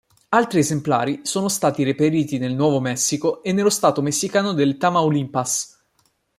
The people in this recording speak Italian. Altri esemplari sono stati reperiti nel Nuovo Messico e nello stato messicano del Tamaulipas.